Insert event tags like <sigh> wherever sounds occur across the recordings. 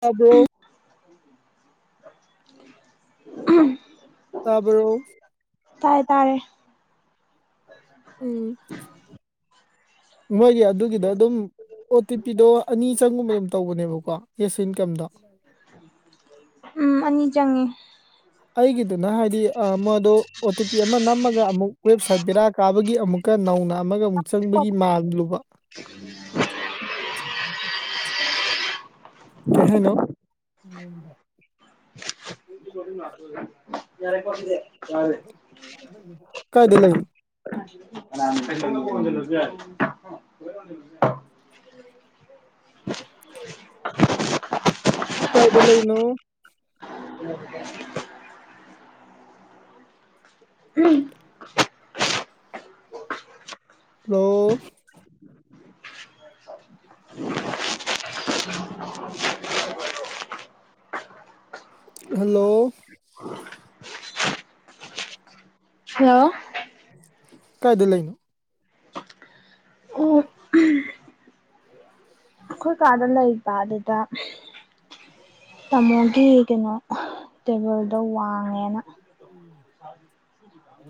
ꯈꯕ꯭ꯔꯣ ꯎ <unintelligible> ꯇꯥꯕ꯭ꯔꯣ ꯇꯥꯏ ꯇꯥꯔꯦ ꯎꯝ ꯃꯣꯏꯒꯤ ꯑꯗꯨꯒꯤꯗ ꯑꯗꯨꯝ ꯑꯣ ꯇꯤ ꯄꯤꯗꯣ ꯑꯅꯤ ꯆꯪꯒꯨꯝꯕ ꯑꯗꯨꯝ ꯇꯧꯕꯅꯦꯕꯀꯣ ꯌꯦꯁ ꯏꯟꯀꯝꯗꯣ ꯎꯝ ꯑꯅꯤ ꯆꯪꯉꯤ ꯑꯩꯒꯤꯗꯨꯅ ꯍꯥꯏꯗꯤ ꯃꯣꯏꯗꯣ ꯑꯣ ꯇꯤ ꯄꯤ ꯑꯃ ꯅꯝꯃꯒ ꯑꯃꯨꯛ ꯋꯦꯕꯁꯥꯏꯠ ꯕꯦꯔꯥ ꯀꯥꯕꯒꯤ ꯑꯃꯨꯛ ꯀꯀ ꯅꯧꯅ ꯑꯃꯒ ꯑꯃꯨꯛ ꯆꯪꯕꯒꯤ ꯃꯥꯜꯂꯨꯕ ꯀꯍꯥꯏꯅꯣ ꯌꯥꯔ ꯄꯨꯦ ꯀꯦ ꯀꯥꯏꯗ ꯂ ꯏꯅ ꯐ <unintelligible> ꯀꯥꯏꯗ ꯂꯩꯅꯣ <unintelligible> ꯎꯝ ꯍꯂꯣ <unintelligible> ꯍꯜꯂꯣ ꯍꯜꯂꯣ ꯀꯥꯏꯗ ꯂꯩꯥꯏꯅ ꯑꯣ ꯑꯩꯈꯣꯏ ꯀꯥꯗ ꯂꯩꯕ ꯑꯗꯨꯗ ꯇꯥꯃꯣꯒꯤ ꯀꯩꯅꯣ ꯇꯦꯕꯜꯗꯣ ꯋꯥꯡꯉꯦꯅ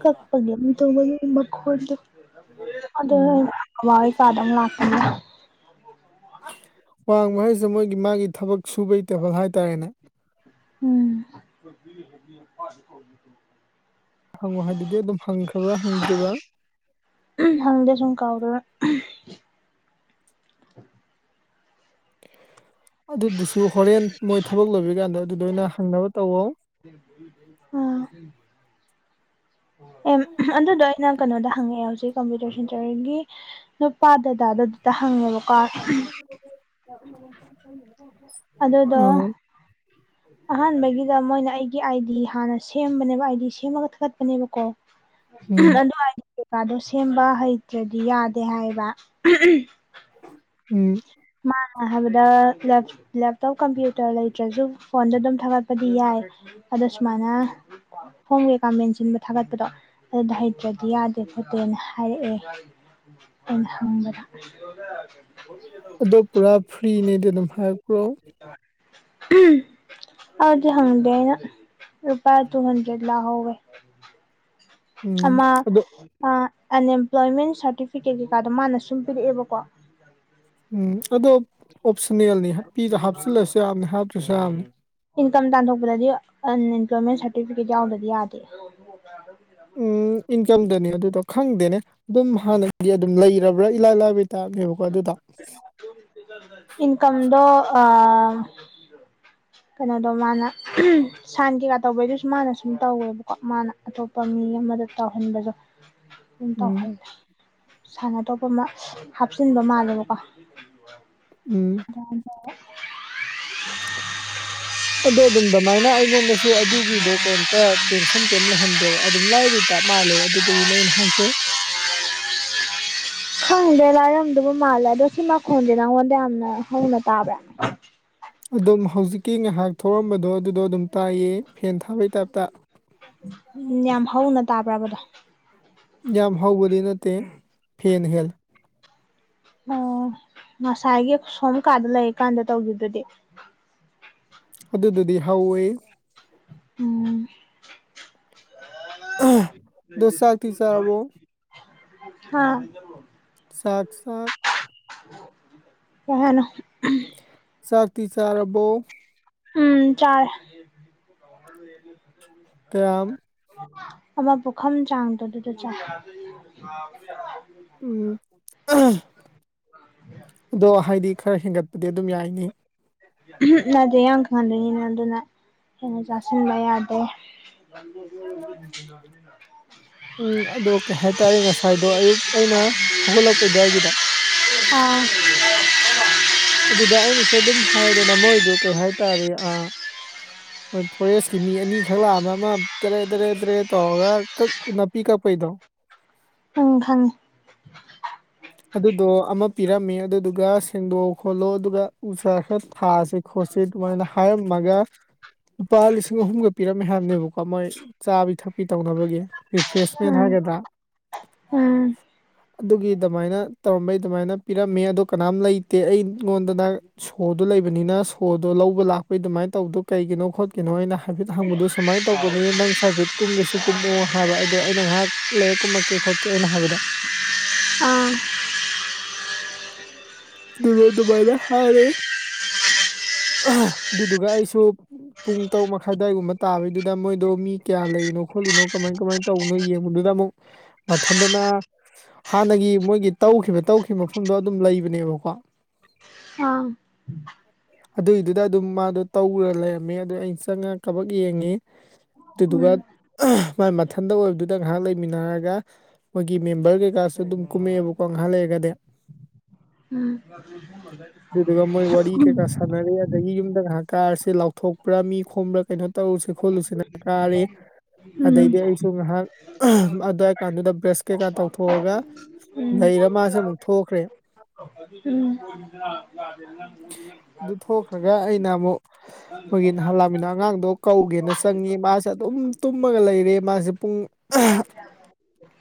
ꯀꯄ ꯃꯣꯟ ꯑꯗ ꯎꯝ ꯑꯚꯕꯤ ꯀꯥꯗ ꯉꯥꯛꯀꯅꯤ ꯋꯥꯡꯕꯍꯩꯁꯦ ꯃꯣꯏꯒꯤ ꯃꯥꯒꯤ ꯊꯕꯛ ꯁꯨꯕꯩ ꯇꯦꯕꯜ ꯍꯥꯏꯇꯥꯔꯦꯅꯦ ꯎꯝ ꯍꯪꯉꯣ ꯍꯥꯏꯗꯨꯗꯤ ꯑꯗꯨꯝ ꯍꯪꯈ꯭ꯔꯕ꯭ꯔꯥ ꯍꯪꯗ꯭ꯔꯤꯕ꯭ꯔꯥ ꯍꯪꯗꯦ ꯁ ꯀꯥꯎꯔ <unintelligible> ꯑꯗꯨꯗꯨꯁꯨ ꯍꯣꯔꯦꯟ ꯃꯣꯏ ꯊꯕꯛ ꯂꯧꯕꯤ ꯀꯥꯟꯗ ꯑꯗꯨꯗ ꯑꯣꯏꯅ ꯍꯪꯅꯕ ꯇꯧꯋꯣ ꯎꯝ ꯑꯦ ꯑꯗꯨꯗꯣ ꯑꯩꯅ ꯀꯩꯅꯣꯗ ꯍꯪꯉꯛꯑꯦ ꯍꯧꯖꯤꯛ ꯀꯝꯄ꯭ꯌꯨꯇꯔ ꯁꯦꯟꯇꯔꯒꯤ ꯅꯨꯄꯥ ꯗꯗꯥꯗ ꯝꯇ ꯍꯪꯉꯦꯕꯀꯣ ꯎꯣꯏꯅ ꯑꯗꯨꯗꯣ ꯑꯍꯥꯟꯕꯒꯤꯗ ꯃꯣꯏꯅ ꯑꯩ ꯒꯤ ꯑꯥꯏꯗꯤ ꯍꯥꯟꯅ ꯁꯦꯝꯕꯅꯦꯕ ꯑꯥꯏ ꯗꯤ ꯁꯦꯝꯃꯒ ꯊꯥꯒꯠꯄꯅꯦꯕꯀꯣ ꯎꯝ ꯑꯗꯨ ꯀꯩꯀꯥꯗꯣ ꯁꯦꯝꯕ ꯍꯩꯇ꯭ꯔꯗꯤ ꯌꯥꯗꯦ ꯍꯥꯏꯕ ꯎꯝ ꯃꯥꯅ ꯍꯥꯏꯕꯗ ꯂꯦꯞꯇꯣꯞ ꯀꯝꯄ꯭ꯌꯨꯇꯔ ꯂꯩꯇ꯭ꯔꯁꯨ ꯐꯣꯟꯗ ꯑꯗꯨꯝ ꯊꯥꯒꯠꯄꯗꯤ ꯌꯥꯏ ꯑꯗꯨꯨꯁꯃꯅ ꯐꯣꯡꯝ ꯀꯩꯀꯥ ꯃꯦꯟꯁꯤꯟꯕ ꯊꯥꯒꯠꯄꯗꯣ ꯑꯗꯨꯗ ꯍꯩꯇ꯭ꯔꯗꯤ ꯌꯥꯗꯦ ꯈꯣꯠꯇꯦꯅ ꯍꯥꯏꯔꯛꯑꯦ ꯑꯣꯍꯕꯔ ꯑꯗꯣ ꯄꯨꯔꯥ ꯐ꯭ꯔꯤꯅꯦꯗꯤ ꯑꯗꯨꯝ ꯍꯥꯏꯞꯄ꯭ꯔꯣ ꯎꯝ ꯑꯗꯤ ꯍꯪꯗꯦꯅ ꯔꯨꯄꯥ ꯇꯨ ꯍꯟꯗ꯭ꯔꯦꯠ ꯂ ꯍꯒꯦ ꯎꯝ ꯑꯃꯃ ꯑꯗꯣ ꯑ ꯑꯟꯑꯦꯝꯄ꯭ꯂꯣꯏꯃꯦꯟ ꯁꯥꯔꯇꯤꯐꯤꯀꯦꯠ ꯀꯩꯀꯥꯗꯣ ꯃꯥꯅ ꯁꯨꯝ ꯄꯤꯔꯛꯑꯦꯕꯀꯣ ꯎꯝ ꯑꯗꯣ ꯑꯣꯞꯁꯟꯅꯦꯜꯅꯤ ꯍꯥꯄꯤꯗ ꯍꯥꯞꯆꯤꯜꯂꯁꯨ ꯌꯥꯝꯅꯤ ꯍꯥꯞꯇ꯭ꯔꯁꯨ ꯌꯥꯝꯅꯤ ꯏꯟꯀꯝ ꯇꯥꯟꯊꯣꯛꯄꯗꯗꯤ ꯑꯟꯑꯝꯄ꯭ꯂꯣꯏꯃꯦꯟ ꯁꯥꯔꯇꯤꯐꯤꯀꯦꯠ ꯌꯥꯎꯗꯗꯤ ꯌꯥꯗꯦ ꯎꯝ <unintelligible> ꯏꯟꯀꯝꯗꯅꯤ ꯑꯗꯨꯗꯣ ꯈꯪꯗꯦꯅꯦ ꯑꯗꯨꯝ ꯍꯥꯟꯅꯒꯤ ꯑꯗꯨꯝ ꯂꯩꯔꯕ꯭ꯔꯥ ꯏꯂꯥꯏ ꯂꯥꯏꯕ ꯇꯥꯛꯅꯦꯦꯕꯀꯣ ꯑꯗꯨꯗ ꯏꯟꯀꯝꯗ ꯑ ꯀꯩꯅꯣꯗꯣ ꯃꯥꯅ ꯁꯟ ꯀꯩꯀꯥ ꯇꯧꯕꯩꯗꯨꯁꯨ ꯃꯥꯅ ꯁꯨꯝ ꯇꯧꯋꯦꯕꯀꯣ ꯃꯥꯅ ꯑꯇꯣꯞꯄ ꯃꯤ ꯃꯤ ꯑꯃꯗ ꯇꯥꯎꯍꯟꯕꯗ ꯑꯗꯨꯝ ꯎꯝ ꯇꯥꯎꯍꯜꯜꯂꯤꯦ ꯁꯥꯟꯅꯇꯣꯞꯄ ꯍꯥꯞꯆꯤꯟꯕ ꯃꯥꯜꯂꯦꯕꯀꯣ ꯎꯝ ꯍꯗ ꯑ ꯑꯗꯨꯝ ꯑꯗꯨꯃꯥꯏꯅ ꯑꯩꯉꯣꯟꯗꯁꯨ ꯑꯗꯨꯒꯤꯗꯣ ꯀꯩꯝꯇ ꯇꯦꯟꯁꯟ ꯀꯩꯝꯇ ꯂꯩꯍꯟꯗꯦꯕ ꯑꯗꯨꯝ ꯂꯥꯏꯕꯩ ꯇꯥꯕ ꯃꯥꯂꯦꯕ ꯑꯗꯨ ꯇ ꯂꯩ ꯅꯅꯥꯥꯟꯁꯦ ꯈꯪꯗꯦ ꯂꯝ ꯑꯗꯨꯕꯨ ꯃꯥꯜꯂꯦ ꯑꯗꯣ ꯁꯤ ꯃꯈꯣꯟꯁꯦ ꯅꯪꯉꯣꯟꯗ ꯌꯥꯝꯅ ꯍꯧꯅ ꯇꯥꯕ꯭ꯔꯥꯅꯦ ꯑꯗꯨꯝ ꯍꯧꯖꯤꯛꯀꯤ ꯉꯥꯏꯍꯥꯛ ꯊꯔꯝꯕꯗꯣ ꯑꯗꯨꯗꯣ ꯑꯗꯨꯝ ꯇꯥꯏꯌꯦ ꯐꯦꯟ ꯊꯥꯕꯩ ꯇꯥꯏꯞꯇ ꯎꯝ ꯌꯥꯝ ꯍꯧꯅ ꯇꯥꯕ꯭ꯔꯕꯗꯣ ꯌꯥꯝ ꯍꯧꯕꯗꯤ ꯅꯠꯇꯦ ꯐꯦꯟ ꯍꯦꯜ ꯑꯣ ꯉꯁꯥꯏꯒꯤ ꯁꯣꯝ ꯀꯥꯗ ꯂꯩꯀꯥꯟꯗ ꯇꯧꯈꯤꯕꯗꯨꯗꯤ ꯑꯗꯨꯗꯨꯗꯤ ꯍꯧꯋꯦ ꯎꯝ ꯗꯣꯁ ꯆꯔ ꯇꯤꯟ ꯆꯔ ꯑꯕꯨ ꯑꯥ ꯁꯥꯥꯛ ꯁꯥꯛ ꯀꯍꯅꯣ ꯆꯥꯛꯇꯤ ꯆꯥꯔꯕꯣ ꯎꯝ ꯆꯥꯏ ꯀꯝ ꯑꯃ ꯄꯨꯈꯝ ꯆꯥꯡꯗꯣ ꯑꯗꯨꯗ ꯆ ꯎꯝ ꯑꯗꯣ ꯍꯥꯏꯗꯤ ꯈꯔ ꯍꯦꯟꯒꯠꯄꯗꯤ ꯑꯗꯨꯝ ꯌꯥꯏꯅꯤ ꯌꯥꯗꯦ ꯌꯥꯝ ꯈꯪꯍꯟꯗꯣꯏꯅꯤꯅ ꯑꯗꯨꯅ ꯍꯦꯟꯅ ꯆꯥꯁꯤꯟꯕ ꯌꯥꯗꯦ <unintelligible> <inaudible> ꯎꯝ ꯑꯗꯣ ꯀꯩ ꯍꯥꯏꯇꯥꯔꯦ ꯉꯁꯥꯏꯗꯣ ꯑꯌꯨꯛ ꯑꯩꯅ ꯍꯧꯒꯠꯂꯛꯄꯩ ꯑꯗꯨꯋꯥꯏꯒꯤꯗꯣ ꯑꯣ ꯑꯗꯨꯗ ꯑꯩꯅꯁꯨ ꯑꯗꯨꯝ ꯍꯥꯏꯗꯅ ꯃꯣꯏꯗꯨ ꯀꯩ ꯍꯥꯏꯇꯥꯔꯦ ꯑ ꯃꯣꯏ ꯐꯣꯔꯦꯁꯀꯤ ꯃꯤ ꯑꯅꯤꯈꯛ ꯂꯥꯛꯑꯝꯕ ꯑꯃ ꯇꯔꯦ ꯇꯔꯦ ꯇꯔꯦ ꯇꯧꯔꯒꯛ ꯅꯥꯄꯤ ꯀꯛꯄꯩꯗꯣ ꯎꯝ ꯐꯉꯤ ꯑꯗꯨꯗꯣ ꯑꯃ ꯄꯤꯔꯝꯃꯤ ꯑꯗꯨꯗꯨꯒ ꯁꯦꯡꯗꯣꯛ ꯈꯣꯠꯂꯣ ꯑꯗꯨꯒ ꯎꯖꯥ ꯈꯔ ꯊꯥꯁꯦ ꯈꯣꯠꯁ ꯑꯗꯨꯃꯥꯏꯅ ꯍꯥꯏꯔꯝꯃꯒ ꯂꯨꯄꯥ ꯂꯤꯁꯤꯡ ꯑꯍꯨꯝꯒ ꯄꯤꯔꯝꯃꯦ ꯍꯥꯏꯕꯅꯦꯕꯀꯣ ꯀꯣ ꯃꯣꯏ ꯆꯥꯕꯤ ꯊꯛꯄꯤ ꯇꯧꯅꯕꯒꯤ ꯔꯤꯄ꯭ꯔꯦꯁꯃꯦꯟ ꯎꯝ ꯍꯥꯏꯦꯗ ꯎꯝ ꯑꯗꯨꯃꯥꯏꯅ ꯇꯧꯔꯝꯕꯩ ꯑꯗꯨꯃꯥꯏꯅ ꯄꯤꯔꯝꯃꯦ ꯑꯗꯣ ꯀꯅꯥꯝ ꯂꯩꯇꯦ ꯑꯩꯉꯣꯟꯗꯅ ꯁꯣꯗꯨꯣ ꯂꯩꯕꯅꯤꯅ ꯁꯣꯗꯣ ꯂꯧꯕ ꯂꯥꯛꯄꯩ ꯑꯗꯨꯃꯥꯏꯅ ꯇꯧꯗꯣ ꯀꯩꯒꯤꯅꯣ ꯈꯣꯠꯀꯤꯅꯣ ꯍꯥꯏꯅ ꯍꯥꯏꯐꯦꯠ ꯍꯪꯕꯗꯨꯣ ꯁꯨꯃꯥꯏꯅ ꯇꯧꯕꯅꯤ ꯅꯪ ꯀꯨꯝꯒꯦꯁꯨ ꯀꯨꯝꯃꯣ ꯍꯥꯏꯕ ꯑꯗꯣ ꯑꯩꯅ ꯉꯥꯏꯍꯥꯛ ꯂꯩ ꯀꯨꯝꯃꯛꯀꯦ ꯈꯣꯠꯀꯦ ꯑꯩꯅ ꯍꯥꯏꯕꯗ ꯎ <unintelligible> <inaudible> ꯑ <unintelligible> <inaudible> ꯑꯗꯨꯒ ꯑꯗꯨꯕꯥꯥꯏꯗ ꯍꯥꯔꯦ ꯎ <unintelligible> <inaudible> ꯑꯗꯨꯗꯨꯒ ꯑꯩꯁꯨ ꯄꯨꯡ ꯇꯔꯨꯛ ꯃꯈꯥꯏ ꯑꯗꯨ꯭ꯋꯥꯏꯒꯨꯝꯕ ꯇꯥꯕꯩꯗꯨꯗ ꯃꯣꯏꯗꯣ ꯃꯤ ꯀꯌꯥ ꯂꯩꯔꯤꯅꯣꯣ ꯈꯣꯠꯂꯤꯅꯣ ꯀꯃꯥꯏ ꯀꯃꯥꯏꯅ ꯇꯧꯕꯅꯣ ꯌꯦꯡꯕꯗꯨꯗ ꯑꯃꯨꯛ ꯃꯊꯟꯇꯅ ꯍꯥꯟꯅꯒꯤ ꯃꯣꯏꯒꯤ ꯇꯧ ꯇꯧꯈꯤꯕ ꯇꯧꯈꯤꯕ ꯃꯐꯝꯗꯣ ꯑꯗꯨꯝ ꯂꯩꯕꯅꯦꯕ <unintelligible> <inaudible> ꯑꯥ <unintelligible> <inaudible> ꯑꯗꯨꯏꯗꯨꯗ ꯑꯗꯨꯝ ꯃꯥꯗꯣ ꯇꯧꯈꯔ ꯂꯩꯔꯝꯃꯦ ꯑꯗꯨꯣ ꯑꯩꯅ ꯆꯪꯉꯒ ꯀꯕꯛ ꯌꯦꯡꯉꯤ ꯎꯝ ꯑꯗꯨꯗꯨꯒꯥ ꯃꯥꯏ ꯃꯊꯟꯇ ꯑꯣꯏꯕꯗꯨꯗ ꯉꯥꯏꯍꯥꯛ ꯂꯩꯃꯤꯟꯅꯔꯒ ꯃꯣꯏꯒꯤ ꯃꯦꯝꯕꯔ ꯀꯩꯀꯥꯁꯨ ꯑꯗꯨꯝ ꯀꯨꯝꯃꯛꯑꯦꯕꯀꯣ ꯄꯣꯡꯍꯥꯂꯦꯒꯗꯤ ꯎꯝ ꯑꯗꯨꯗꯨꯒ ꯃꯣꯏ ꯋꯥꯔꯤ ꯀꯩꯀꯥ ꯎꯝ <unintelligible> <inaudible> ꯁꯥꯟꯅꯔꯦ ꯑꯗꯒꯤ ꯌꯨꯝꯗ ꯉꯥꯏꯍꯥꯛ ꯀꯥꯔꯁꯦ ꯂꯥꯎꯊꯣꯛꯄ꯭ꯔꯥ ꯃꯤ ꯈꯣꯝꯕ꯭ꯔꯥ ꯀꯩꯅꯣ ꯇꯧꯔꯨꯁꯦ ꯈꯣꯠꯂꯨꯁꯤꯅ ꯀꯥꯔꯦ ꯎꯝ ꯎꯝ ꯎꯝ ꯑꯗꯩꯗꯤ ꯎꯝ ꯑꯩꯁꯨ ꯉꯥꯏꯍꯥꯛ ꯑꯗꯨꯋꯥꯏ ꯀꯥꯟꯗꯨꯗ ꯀꯩꯀꯥ ꯇꯧꯊꯣꯛꯑꯒ ꯂꯩꯔ ꯃꯥꯁꯦ ꯑꯃꯨꯛ ꯊꯣꯛꯈ꯭ꯔꯦ <unintelligible> ꯑꯗꯨ ꯎꯝ ꯊꯣꯛꯈ꯭ꯔꯒ ꯑꯩꯅ ꯑꯃꯨꯛ <inaudible> ꯑꯩꯈꯣꯏꯒꯤ ꯅꯍꯥꯜꯂꯛꯃꯤꯅ ꯑꯉꯥꯡꯗꯣ ꯀꯧꯒꯦꯅ ꯆꯪꯉꯦ ꯃꯥꯁꯦ ꯑꯗꯨꯝ ꯇꯨꯝꯃꯒ ꯂꯩꯔꯦ ꯃꯥꯁꯦ ꯄꯨꯡ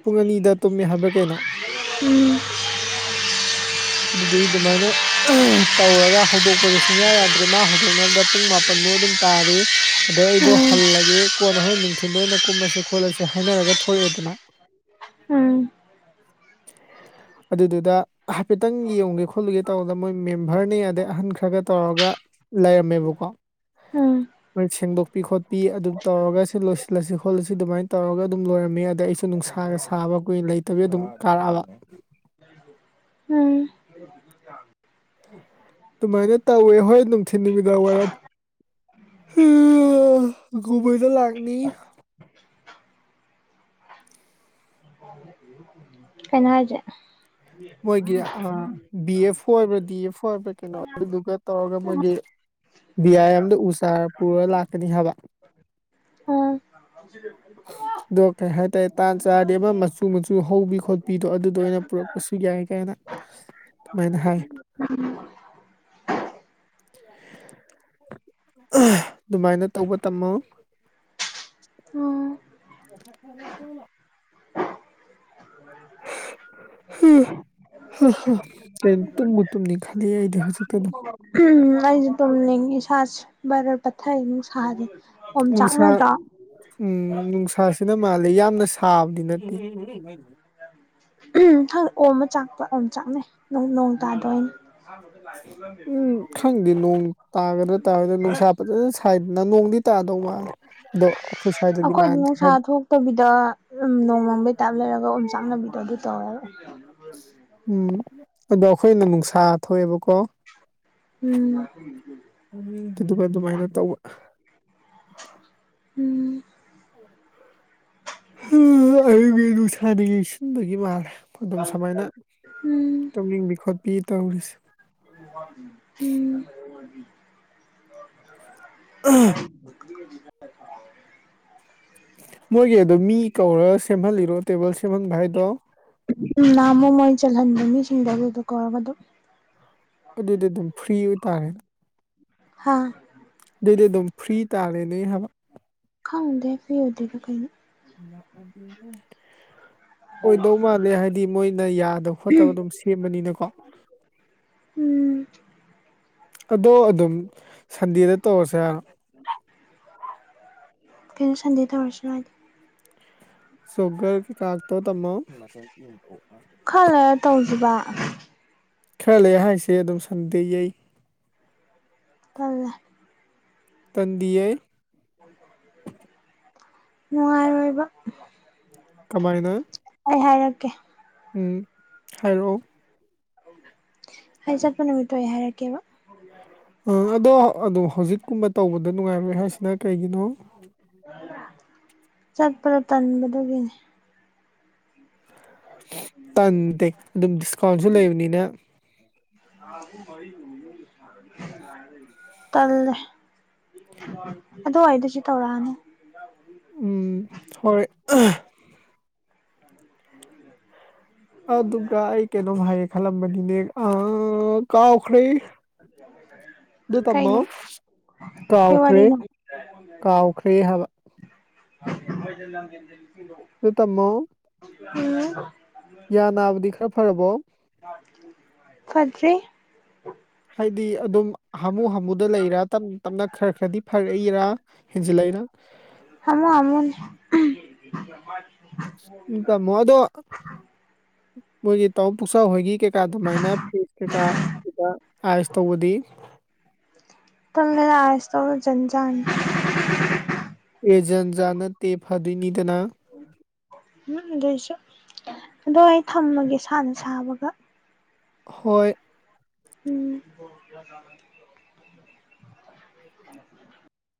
ꯄꯨꯡ ꯑꯅꯤꯗ ꯇꯨꯝꯃꯦ ꯍꯥꯏꯕ꯭ꯔꯥ ꯀꯩꯅꯣ ꯎꯝ ꯎꯝ <unintelligible> <inaudible> ꯑꯗꯨꯗꯒꯤ ꯑꯗꯨꯃꯥꯏꯅ ꯇꯧꯔꯒ ꯍꯧꯗꯣꯛꯄꯁꯨ ꯁꯨꯡꯌꯥ ꯌꯥꯗ꯭ꯔꯦ ꯃꯥ ꯍꯧꯗꯣꯛꯅꯕꯅꯕꯗ ꯄꯨꯡ ꯃꯥꯄꯟ ꯑꯗꯨꯝ ꯇꯥꯔꯤ ꯑꯗꯩ ꯑꯩꯗꯣ ꯍꯜꯂꯒꯦ ꯀꯣꯟꯅ ꯍꯣꯏ ꯅꯨꯡꯊꯤꯟꯗ ꯑꯣꯏꯅ ꯀꯨꯝꯃꯁꯤꯦ ꯈꯣꯠꯂꯁꯤ ꯍꯥꯏꯅꯔꯒ ꯊꯦꯔꯛ ꯑꯦꯗꯅ ꯎꯝ <inaudible> ꯑꯗꯨꯗꯨꯗ ꯍꯥꯏꯐꯦꯠꯇꯪ ꯌꯦꯡꯉꯨꯒꯦ ꯈꯣꯠꯂꯨꯒꯦ ꯇꯧꯕꯗ ꯃꯣꯏ ꯃꯦꯝꯚ꯭ꯔꯅ ꯑꯗꯩ ꯑꯍꯟ ꯈꯔꯒ ꯇꯧꯔꯒ ꯂꯩꯔꯝꯃꯦꯕꯀꯣ ꯑꯝ ꯃꯣꯏ ꯁꯦꯡꯗꯣꯛꯄꯤ ꯈꯣꯠꯄꯤ ꯑꯗꯨꯝ ꯇꯧꯔꯒꯁꯨ ꯂꯣꯏꯁꯤꯜꯂꯁꯤ ꯈꯣꯠꯂꯁꯤ ꯑꯗꯨꯃꯥꯏꯅ ꯇꯧꯔꯒ ꯑꯗꯨꯝ ꯂ‌ꯣꯏꯔꯝꯃꯤ ꯑꯗ ꯑꯩꯁꯨ ꯅꯨꯡꯁꯥ ꯈꯥꯡꯒ ꯁꯥꯕ ꯀꯨꯏ ꯂꯩꯇꯕꯤ ꯑꯗꯨꯝ ꯀꯥꯔꯛꯑꯕ ꯑꯗꯨꯃꯥꯏꯅ ꯇꯧꯋꯦ ꯍꯣꯏ ꯅꯨꯡꯊꯤꯤꯟ ꯅꯨꯃꯤꯗꯥꯡ ꯋꯥꯔꯝ ꯎ ꯕꯣꯏꯗꯣ ꯂꯒꯅꯤ ꯀꯩꯅꯣ ꯍꯥꯏꯖꯦ ꯃꯣꯏꯒꯤ ꯕꯤ ꯑꯦꯐ ꯑꯣ ꯑꯣꯏꯕ꯭ꯔꯥ ꯗꯤ ꯑꯦꯐ ꯑꯣꯏꯕ꯭ꯔꯥ ꯀꯩꯅꯣ ꯑꯗꯨꯗꯨꯒ ꯇꯧꯔꯒ ꯃꯣꯏꯒꯤ ꯕꯤ ꯑꯏ ꯑꯗ ꯎ ꯆꯥꯔ ꯄꯨꯔ ꯂꯥꯛꯀꯅꯤ ꯍꯥꯏꯕ ꯎꯝ ꯑꯗꯣ ꯀꯩ ꯍꯥꯏꯇꯥꯔꯦ ꯇꯥꯟ ꯆꯥꯔꯦ ꯑꯃ ꯃꯆꯨ ꯃꯆꯨ ꯍꯧꯕꯤ ꯈꯣꯠꯄꯤꯗꯣ ꯑꯗꯨꯗꯣ ꯑꯣꯏꯅ ꯄꯨꯔꯛꯄꯁꯨ ꯌꯥꯏ ꯀꯥꯏꯅ ꯑꯗꯨꯃꯥꯏꯅ ꯍꯥꯏ <unintelligible> <unintelligible> ꯑꯗꯨꯃꯥꯏꯅ ꯇꯧꯕ ꯇꯝꯃꯣ ꯎꯝ <unintelligible> ꯇꯒꯨꯇꯨꯝꯅꯤ ꯈꯜꯂꯤ ꯑꯩꯗꯤ ꯍꯧꯖꯤꯛꯇ ꯑꯗꯨꯝ ꯎꯝ ꯑꯩꯁꯨꯦ ꯇꯨꯝꯅꯤꯡ ꯏꯁꯥꯥꯁ ꯚꯔ ꯄꯠꯊꯩ ꯑꯗꯨꯝ ꯁꯥꯔꯤ ꯅꯨꯡꯁꯥ ꯎꯝ ꯅꯨꯡꯁꯥꯁꯤ ꯁꯤꯅ ꯃꯥꯜꯜꯂꯤꯦ ꯌꯥꯝꯅ ꯁꯥꯕꯗꯤ ꯅꯠꯇꯦ ꯎꯝ ꯍꯪ ꯑꯣꯝ ꯑꯃ ꯆꯥꯛꯄ ꯑꯣꯝ ꯆꯥꯛꯅꯩ ꯅꯣꯡ ꯇꯥꯗꯣꯏꯅꯦ ꯎꯝ ꯈꯪꯗꯦ ꯅꯣꯡ ꯇꯥꯒꯗ꯭ꯔꯥ ꯇꯥꯔꯗ ꯅꯨꯡꯁꯥ ꯐꯖꯅ ꯁꯥꯏꯗꯅ ꯅꯣꯡꯗꯤ ꯇꯥꯗꯧ ꯃꯥꯜꯂꯦ ꯑꯗꯣ ꯑꯩꯈꯣꯏ ꯁ꯭ꯋꯥꯏꯗꯗꯤ ꯑꯩꯈꯣꯏ ꯃꯥꯟꯗ꯭ꯔꯦ ꯅꯨꯡꯁꯥ ꯍꯥꯏꯗꯤ ꯊꯣꯛꯇꯕꯤꯗ ꯅꯣꯡꯃꯝꯕꯩ ꯇꯥꯏꯞ ꯂꯩꯔꯛꯄ ꯑꯗꯨꯒ ꯎ ꯆꯥꯡꯅꯕꯤꯗꯣ ꯑꯗꯨꯗꯤ ꯇꯧꯋꯦ ꯎꯝ ꯑꯗꯣ ꯑꯩꯈꯣꯏꯅ ꯅꯨꯡꯁꯥ ꯊꯣꯛꯑꯦꯕꯀꯣ ꯎꯝ ꯑꯗꯨ ꯑꯗꯨꯃꯥꯏꯅ ꯇꯧꯕ ꯎꯝ ꯑꯌꯨꯒꯤ ꯅꯨꯡꯁꯥꯅ ꯌꯦꯡꯁꯤꯟꯕꯒꯤ ꯃꯥꯜꯂꯦ ꯑꯗꯨꯝ ꯁꯨꯃꯥꯏꯅ ꯎꯝ ꯇꯧꯅꯤꯡꯕꯤ ꯈꯣꯠꯄꯤ ꯇꯧꯔꯤꯁꯦ ꯎ ꯑ <unintelligible> ꯃꯣꯏꯒꯤ ꯑꯗꯨ ꯃꯤ ꯀꯧꯔ ꯁꯦꯝꯍꯜꯂꯤꯔꯣ ꯇꯦꯕꯜ ꯁꯦꯝꯍꯟꯕ ꯍꯥꯏꯗꯣ ꯎ ꯅꯅꯥꯃꯣ ꯃꯣꯏ ꯆꯜꯍꯟꯕ ꯃꯤꯁꯤꯡꯗ ꯑꯗꯨꯗ ꯀꯧꯔꯒ ꯑꯗꯨꯝ ꯑꯗꯨꯗꯤ ꯑꯗꯨꯝ ꯐ꯭ꯔꯤ ꯑꯣꯏꯇꯥꯔꯦ ꯍꯥꯥ ꯑꯗꯨꯏꯗꯤ ꯑꯗꯨꯝ ꯐ꯭ꯔꯤ ꯇꯥꯔꯦꯅꯦ ꯍꯥꯏꯕ ꯈꯥꯎꯗꯦ ꯐ ꯑꯣꯗꯗ ꯀꯩꯅ ꯗꯤꯅꯦ ꯑꯣꯏꯗꯧ ꯃꯥꯜꯂꯦ ꯍꯥꯏꯕꯗꯤ ꯃꯣꯏꯅ ꯌꯥꯗꯕ ꯈꯣꯠꯇꯕ ꯑꯗꯨꯝ ꯁꯦꯝꯕꯅꯤꯅꯀꯣ ꯎꯝ ꯑꯗꯣ ꯑꯗꯨꯝ ꯁꯟꯗꯦꯗ ꯇꯧꯔꯁ ꯍꯥꯏꯅꯣ ꯀꯩꯅꯣ ꯁꯟꯗꯗ ꯍꯔꯁꯅ ꯍꯥꯏꯥꯏꯗꯤ ꯁꯨꯒꯔ ꯀꯥꯥꯛ ꯇ ꯇꯃꯣ ꯕ ꯈꯔ ꯂꯩ ꯑꯍꯥꯡꯁꯦ ꯑꯗꯨꯝ ꯁꯟꯗꯦ ꯌꯩ ꯑꯣꯜꯂ ꯇꯗꯑꯦ ꯅꯨꯡꯉꯥꯏꯔꯤꯕ ꯀꯃꯥꯏꯅ ꯎꯝ ꯍꯥꯏꯔꯛꯑꯣ ꯍꯥꯏꯖꯠꯄ ꯅꯨꯃꯤꯠꯇꯣ ꯍꯥꯏꯔꯛꯀꯦꯕ ꯑ ꯑꯗꯣ ꯑꯗꯨꯝ ꯍꯧꯖꯤꯛꯀꯨꯝꯕ ꯇꯧꯕꯗ ꯅꯨꯡꯉꯥꯏꯔ ꯍꯥꯏꯁꯤꯅ ꯀꯩꯒꯤꯅꯣ ꯆꯠꯄꯗꯣ ꯇꯟꯕꯗꯒꯤꯅꯤ ꯇꯟꯗꯦ ꯑꯗꯨꯝ ꯗꯤꯁꯀꯥꯎꯟꯁꯨ ꯂꯩꯕꯅꯤꯅ ꯇꯜ ꯑꯗꯣ ꯑꯣꯏꯏꯗꯁꯨ ꯇꯧꯔꯅ ꯑ ꯑꯗꯨꯒ ꯑꯩ ꯀꯩꯅꯣꯝ ꯍꯥꯏꯌꯦ ꯈꯜꯂꯝꯕꯅꯤꯅꯦ ꯑ ꯀꯥꯎꯈ꯭ꯔꯦ ꯑꯗꯨ ꯇꯝꯃꯣ ꯀꯩꯅꯣ ꯀꯩ ꯀꯥꯎꯈ꯭ꯔꯦ ꯋꯥꯔꯤꯅꯣ ꯀꯥꯎꯈ꯭ꯔꯦ ꯍꯥꯏꯕ ꯃ ꯅꯨꯠꯇ ꯑꯃ ꯎꯝ ꯌꯥ ꯅꯥꯕꯗꯤ ꯈꯔ ꯐꯔꯕꯣ ꯐꯗ꯭ꯔꯤ ꯍꯥꯏꯗꯤ ꯑꯗꯨꯝ ꯍꯥꯃꯨ ꯍꯥꯃꯨꯗ ꯂꯩꯔ ꯇꯞꯅ ꯇꯞꯅ ꯈꯔ ꯈꯔꯗꯤ ꯐꯔꯛꯏꯔꯥ ꯍꯦꯟꯖꯤꯜꯂꯛ ꯀꯅ ꯍꯃ ꯑꯃꯃ <unintelligible> ꯎꯝ ꯇꯥꯃꯣ ꯑꯗꯣ ꯃꯣꯏꯒꯤ ꯇꯥꯣ ꯄꯨꯁꯥ ꯍꯣꯏꯒꯤ ꯀꯩꯀꯥ ꯑꯗꯨꯃꯥꯏꯅ ꯐ꯭ꯔꯤꯖ ꯀꯩꯀꯥ ꯁꯤꯗ ꯑꯥꯏꯁ ꯇꯧꯕꯗꯤ ꯇꯂꯗ ꯑꯁ ꯇꯧ ꯆꯟꯖꯅꯤ ꯑꯦꯖꯟꯖꯥ ꯅꯠꯇꯦ ꯐꯗꯣꯏꯅꯤꯗꯅ ꯎꯝ ꯑꯗꯨꯏꯁꯨ ꯑꯗꯣ ꯑꯩ ꯊꯝꯃꯒꯦ ꯁꯅ ꯁꯥꯕꯒ ꯍꯣꯏ ꯎꯝ <unintelligible>